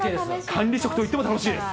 管理職と行っても楽しいです。